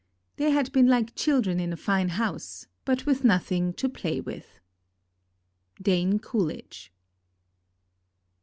They had been like children in a fine house, but with nothing to play with. Dane Coolidge.